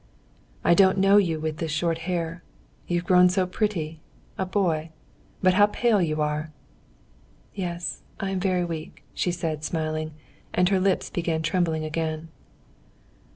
"I don't know you with this short hair. You've grown so pretty. A boy. But how pale you are!" "Yes, I'm very weak," she said, smiling. And her lips began trembling again.